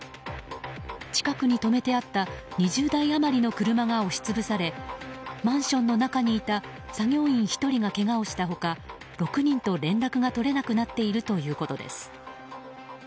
近くに止めてあった２０台余りの車が押し潰されマンションの中にいた作業員１人がけがをした他６人と連絡が取れなくなっているということです。